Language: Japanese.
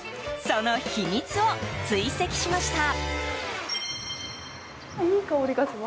その秘密を追跡しました。